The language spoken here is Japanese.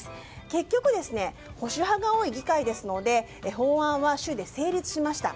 結局、保守派が多い議会ですので法案は成立しました。